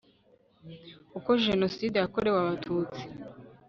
uko jenoside yakorewe abatutsi